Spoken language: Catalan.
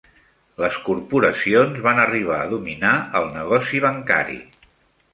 Les corporacions van arribar a dominar el negoci bancari.